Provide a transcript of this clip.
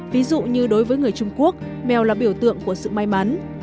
ví dụ như đối với người trung quốc mèo là biểu tượng của sự may mắn